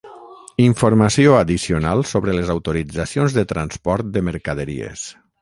Informació addicional sobre les autoritzacions de transport de mercaderies.